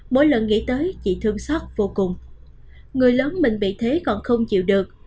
mỗi lần nghĩ tới chị thương xót vô cùng người lớn mình bị thế còn không chịu được